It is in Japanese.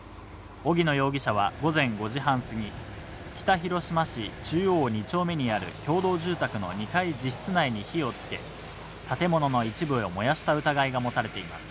荻野容疑者は午前５時半過ぎ、北広島市中央２丁目にある共同住宅の２階自室内に火をつけ、建物の一部を燃やした疑いが持たれています。